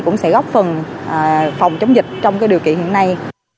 cũng sẽ góp phần phòng chống dịch trong điều kiện hiện nay